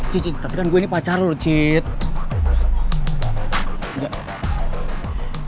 cid cid tapi kan gue ini pacar loh cid